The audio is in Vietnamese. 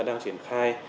nó đang triển khai